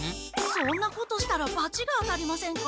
そんなことしたらバチが当たりませんか？